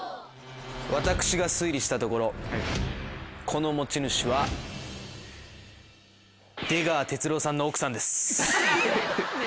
私が推理したところこの持ち主は出川哲朗さんの奥さんです。